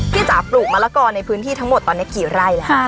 จ๋าปลูกมะละกอในพื้นที่ทั้งหมดตอนนี้กี่ไร่แล้ว